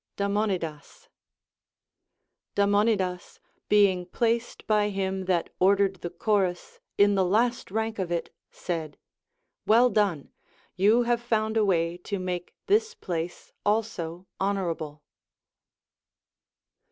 Damonidas. Damonidas, being placed by him that or dered the chorus in the last rank of it, said : AVell done, you have found a way to make this place also honorable.